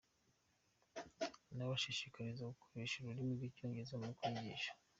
Anabashishikariza gukoresha ururimi rw'icyongereza mu kwigisha.